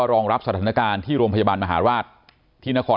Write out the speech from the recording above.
โรงพยาบาลมหรือที่โรงพยาบาลมหรือที่โรง